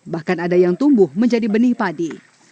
bahkan ada yang tumbuh menjadi benih padi